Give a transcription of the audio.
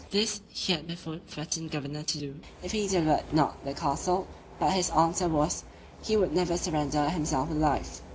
This he had before threatened the governor to do, if he delivered not the castle: but his answer was, "he would never surrender himself alive."